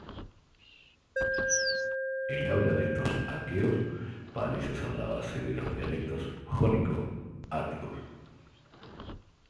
El habla de estos aqueos parece ser la base de los dialectos jónico-áticos.